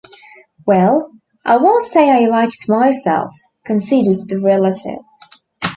"Well, I will say I like it myself," conceded the relative.